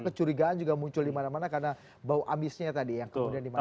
kecurigaan juga muncul dimana mana karena bau amisnya tadi yang kemudian dimakan